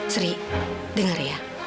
sri denger ya